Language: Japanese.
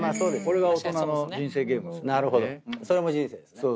それも人生ですね。